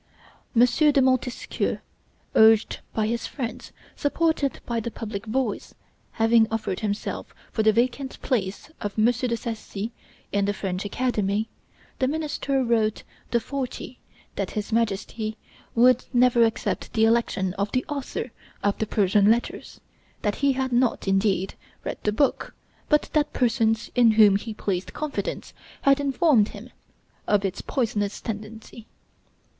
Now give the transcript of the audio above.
M. de Montesquieu, urged by his friends, supported by the public voice, having offered himself for the vacant place of M. de Sacy in the French Academy, the minister wrote "The Forty" that his Majesty would never accept the election of the author of the "Persian Letters" that he had not, indeed, read the book, but that persons in whom he placed confidence had informed him of its poisonous tendency.